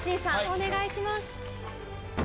お願いします。